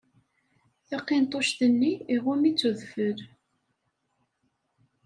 Taqinṭuct-nni iɣumm-itt udfel.